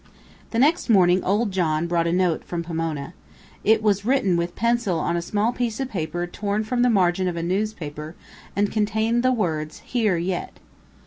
The next morning old John brought a note from Pomona. It was written with pencil on a small piece of paper torn from the margin of a newspaper, and contained the words, "Here yit."